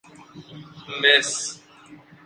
مس